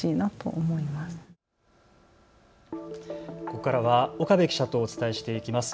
ここからは岡部記者とお伝えしていきます。